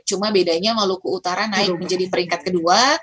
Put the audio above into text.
cuma bedanya maluku utara naik menjadi peringkat kedua